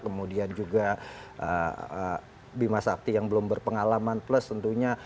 kemudian juga bima sakti yang belum berpengalaman plus tentunya